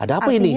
ada apa ini